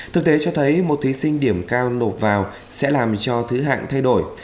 thực tế cho thấy một thí sinh điểm cao nộp vào sẽ làm cho thứ hạng thay đổi